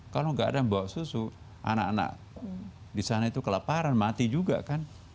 kalau gak ada membawa susu anak anak di sana itu kelaparan mati juga kan